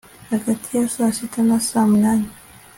hagati ya saa sita na saa munani